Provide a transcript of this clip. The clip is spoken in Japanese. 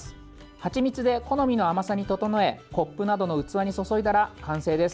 はちみつで好みの甘さに調えコップなどの器に注いだら完成です。